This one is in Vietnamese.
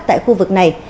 tại khu vực này